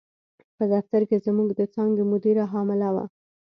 په دفتر کې زموږ د څانګې مدیره حامله وه.